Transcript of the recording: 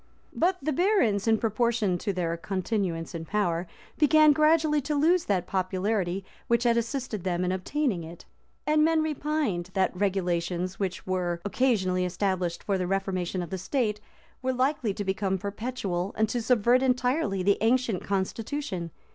But the barons, in proportion to their continuance in power, began gradually to lose that popularity which had assisted them in obtaining it; and men repined, that regulations, which were occasionally established for the reformation of the state, were likely to become perpetual, and to subvert entirely the ancient constitution.